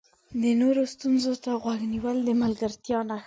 د نورو ستونزو ته غوږ نیول د ملګرتیا نښه ده.